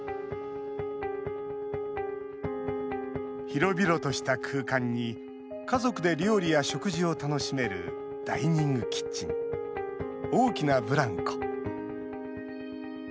広々とした空間に家族で料理や食事を楽しめるダイニングキッチン大きなブランコ。